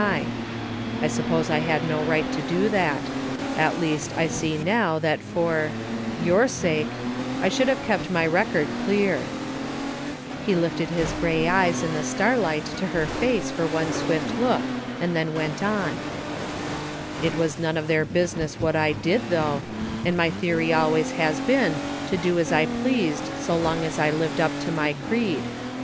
82 THE FINDING OF JASPER HOLT I suppose I had no right to do that At least I see now that for — ^your sake — ^I should have kept my record clear/* He lifted his gray eyes in the starlight to her face for one swift look and then went on :" It was none of their business what I did though, and my theory always has been to do as I pleased so long as I lived up to my creed.